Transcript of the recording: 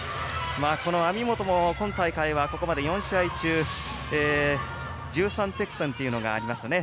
この網本も今大会はここまで４試合中１３得点というのがありましたね。